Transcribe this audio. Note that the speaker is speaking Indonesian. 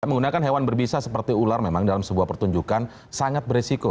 menggunakan hewan berbisa seperti ular memang dalam sebuah pertunjukan sangat beresiko